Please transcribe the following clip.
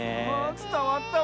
つたわったわ。